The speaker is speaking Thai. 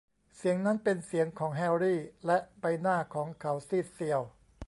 เสียงนั้นเป็นเสียงของแฮรี่ และใบหน้าของเขาซีดเซียว